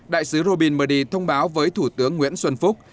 đại sứ robin murdy thông báo với thủ tướng nguyễn xuân phúc